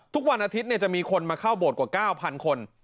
ทุกวันอาทิตย์จะมีคนมาเข้าโบสถกว่า๙๐๐คน